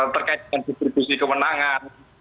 terkait dengan distribusi kemenangan